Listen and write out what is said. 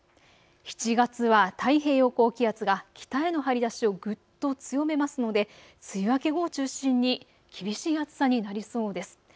７月は太平洋高気圧が北への張り出しをぐっと強めますので梅雨明け後を中心に厳しい暑さになりそうです。